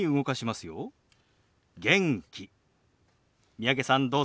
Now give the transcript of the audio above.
三宅さんどうぞ。